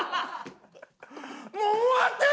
もう終わってよ！